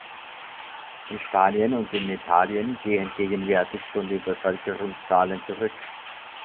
In Spanien und in Italien gehen gegenwärtig schon die Bevölkerungszahlen zurück.